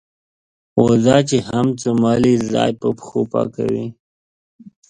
وزه چې هم څملې ځای په پښو پاکوي.